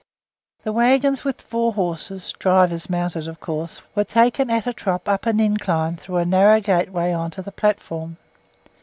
The waggons with four horses (drivers mounted, of course) were taken at a trot up an incline, through a narrow gateway on to the platform.